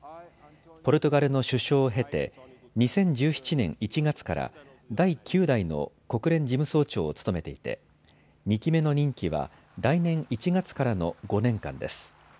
ポルトガルの首相を経て２０１７年１月から第９代の国連事務総長を務めていて２期目の任期は来年１月からの５年間です。